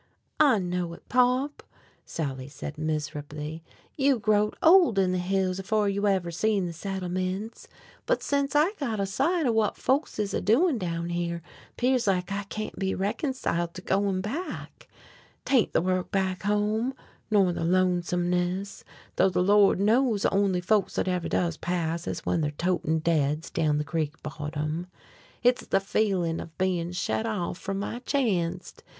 "I know it, Pop," Sally said miserably. "You growed old in the hills afore you ever seen the Settlements. But sence I got a sight of whut folks is a doin' down here, 'pears like I can't be reconciled to goin' back. 'Tain't the work back home, nor the lonesomeness, tho' the Lord knows the only folks thet ever does pass is when they're totin' deads down the creek bottom. Hit's the feelin' of bein' shet off from my chanct.